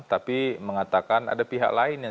tapi mengatakan ada pihak lain yang